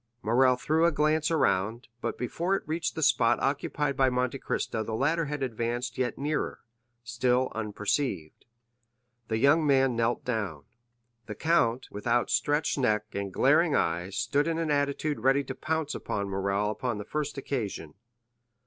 Morrel threw a glance around, but before it reached the spot occupied by Monte Cristo the latter had advanced yet nearer, still unperceived. The young man knelt down. The count, with outstretched neck and glaring eyes, stood in an attitude ready to pounce upon Morrel upon the first occasion.